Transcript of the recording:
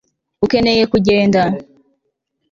ukeneye kugenda